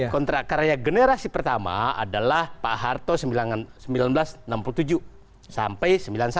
kontrak karya generasi pertama adalah pak harto seribu sembilan ratus enam puluh tujuh sampai seribu sembilan ratus sembilan puluh